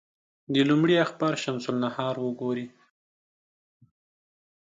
د لومړي اخبار شمس النهار وګوري.